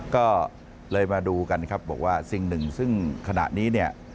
ก็เลยมาดูกันครับบอกว่าสิ่งหนึ่งซึ่งขณะนี้เนี่ย